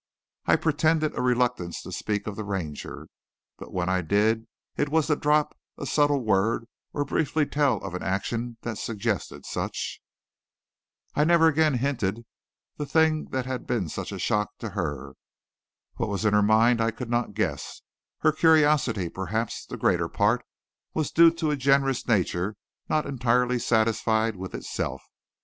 I pretended a reluctance to speak of the Ranger, but when I did it was to drop a subtle word or briefly tell of an action that suggested such. I never again hinted the thing that had been such a shock to her. What was in her mind I could not guess; her curiosity, perhaps the greater part, was due to a generous nature not entirely satisfied with itself.